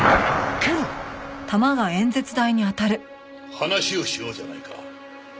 話をしようじゃないか。